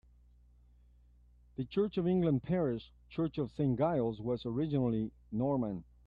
The Church of England parish church of Saint Giles was originally Norman.